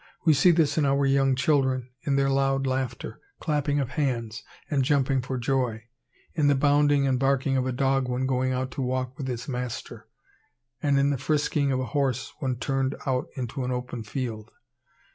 We see this in our young children, in their loud laughter, clapping of hands, and jumping for joy; in the bounding and barking of a dog when going out to walk with his master; and in the frisking of a horse when turned out into an open field.